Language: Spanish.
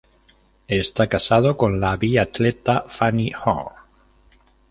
Está casado con la biatleta Fanny Horn.